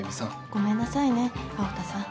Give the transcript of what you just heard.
ごめんなさいね青田さん。